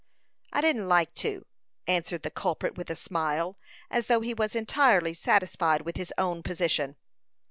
"I didn't like to," answered the culprit, with a smile, as though he was entirely satisfied with his own position.